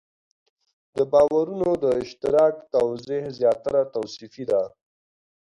د باورونو د اشتراک توضیح زیاتره توصیفي ده.